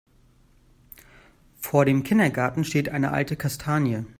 Vor dem Kindergarten steht eine alte Kastanie.